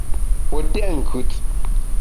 Pue tèt nkùt.